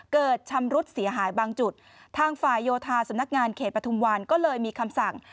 ชำรุดเสียหายบางจุดทางฝ่ายโยธาสำนักงานเขตปฐุมวันก็เลยมีคำสั่ง